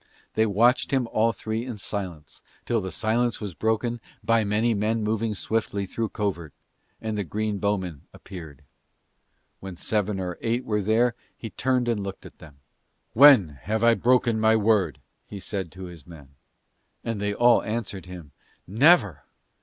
They watched him all three in silence, till the silence was broken by many men moving swiftly through covert, and the green bowmen appeared. When seven or eight were there he turned and looked at them. "When have I broken my word?" he said to his men. And they all answered him, "Never!"